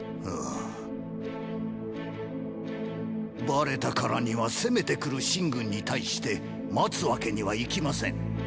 バレたからには攻めてくる秦軍に対して待つわけにはいきません。